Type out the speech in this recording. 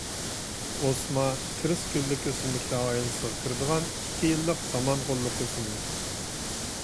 ئوسما -- كىرېست گۈللۈك ئۆسۈملۈكلەر ئائىلىسىگە كىرىدىغان، ئىككى يىللىق سامان غوللۇق ئۆسۈملۈك.